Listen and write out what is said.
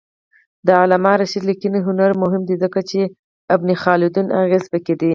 د علامه رشاد لیکنی هنر مهم دی ځکه چې ابن خلدون اغېز پکې دی.